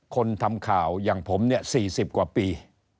คนทำข่าวอย่างผมเนี่ย๔๐กว่าปี